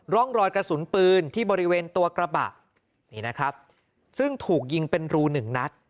ร่องรอยกระสุนปืนที่บริเวณตัวกระบะนี่นะครับซึ่งถูกยิงเป็นรูหนึ่งนัด